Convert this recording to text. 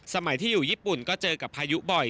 สมัยที่อยู่ญี่ปุ่นก็เจอกับพายุบ่อย